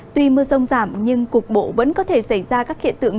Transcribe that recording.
tuy mưa rông giảm nhưng cục bộ vẫn có thể xảy ra các hiện tượng